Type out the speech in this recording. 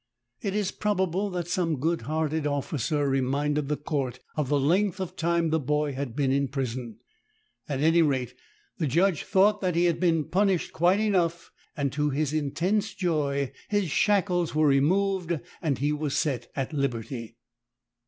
It is probable that some good hearted officer re minded the court of the length of time the boy had been in prison; at any rate the judge thought that he had been punished quite enough, and, to his intense joy, his shackles were removed and he was set at liberty.